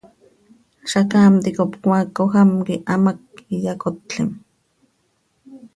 Zacaam ticop cmaacoj am quih hamác iyacotlim.